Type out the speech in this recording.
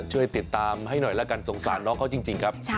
ช่วยติดตามให้หน่อยละกันสงสารน้องเขาจริงครับ